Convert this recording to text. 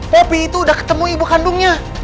kopi itu udah ketemu ibu kandungnya